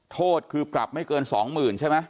โทษคือปรับไม่เกิน๒๐๐๐ใช่ไหม